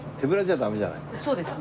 そうですね。